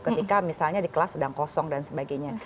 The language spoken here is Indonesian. ketika misalnya di kelas sedang kosong dan sebagainya